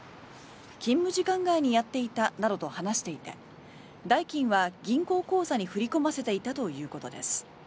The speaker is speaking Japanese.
勤務時間外にやっていたなどと話していて代金は銀行口座に振り込ませていたということです。